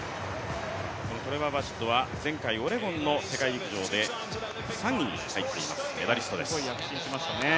このトレバー・バシットは前回オレゴンの世界陸上で３位に入っているメダリストです。